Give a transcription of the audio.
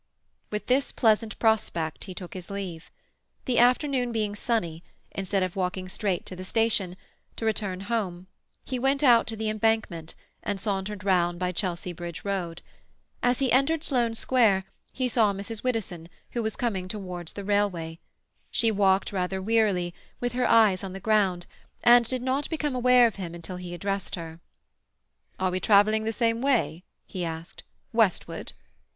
With this pleasant prospect he took his leave. The afternoon being sunny, instead of walking straight to the station, to return home, he went out on to the Embankment, and sauntered round by Chelsea Bridge Road. As he entered Sloane Square he saw Mrs. Widdowson, who was coming towards the railway; she walked rather wearily, with her eyes on the ground, and did not become aware of him until he addressed her. "Are we travelling the same way?" he asked. "Westward?"